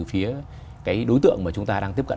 phía cái đối tượng mà chúng ta đang tiếp cận